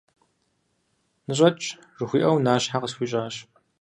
«Ныщӏэкӏ!» - жыхуиӏэу, нащхьэ къысхуищӏащ.